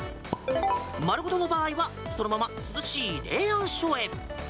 まるごとの場合はそのまま涼しい冷暗所へ。